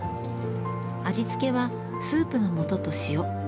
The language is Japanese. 味付けは、スープのもとと塩。